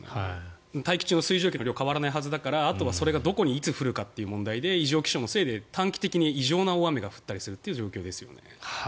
大気中の水蒸気量は変わらないはずだからそれがいつどこで降るかということを異常気象のせいで短期的に異常な大雨が降ったりするという状況ですよね。